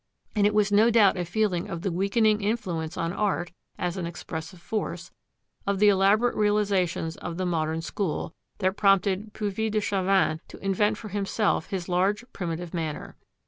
And it was no doubt a feeling of the weakening influence on art, as an expressive force, of the elaborate realisations of the modern school, that prompted Puvis de Chavannes to invent for himself his large primitive manner.